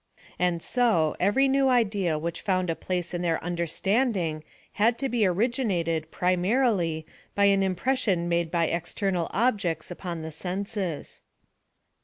And so, every new idea which found a place in their under standing, had to be originated, primarily, by an im pression made oy external objects upon the senses.